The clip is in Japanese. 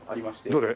どれ？